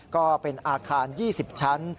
ก็เป็นอาคาร๒๐ชั้น